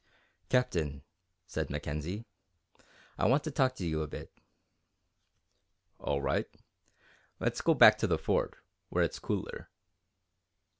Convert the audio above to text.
"Captain," said Mackenzie, "I want to talk to you a bit." "All right let's go back to the Fort, where it's cooler."